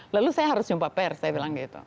lalu saya harus jumpa pers saya bilang gitu